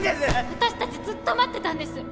私たちずっと待ってたんです。